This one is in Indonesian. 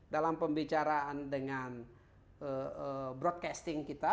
dalam pembicaraan dengan broadcasting kita